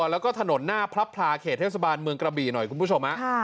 แล้วก็ถนนหน้าพระพลาเขตเทศบาลเมืองกระบี่หน่อยคุณผู้ชม